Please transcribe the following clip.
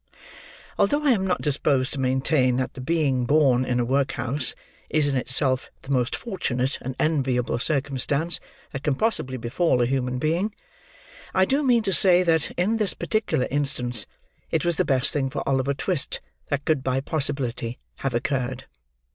Although I am not disposed to maintain that the being born in a workhouse, is in itself the most fortunate and enviable circumstance that can possibly befall a human being, I do mean to say that in this particular instance, it was the best thing for Oliver Twist that could by possibility have occurred.